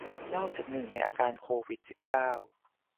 นอกจากหนึ่งในอาการโควิด สิบเก้า